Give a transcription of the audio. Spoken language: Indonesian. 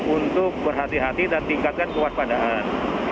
untuk berhati hati dan tingkatkan kewaspadaan